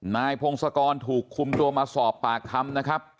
นายพงศกรถูกคุมตัวมาสอบปากคำนะครับ